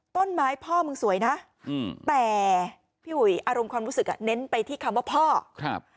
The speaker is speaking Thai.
ต้นไม้พ่อมึงสวยนะอืมแต่พี่อุ๋ยอารมณ์ความรู้สึกอ่ะเน้นไปที่คำว่าพ่อครับ